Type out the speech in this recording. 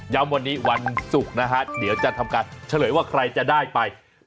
วันนี้วันศุกร์นะฮะเดี๋ยวจะทำการเฉลยว่าใครจะได้ไป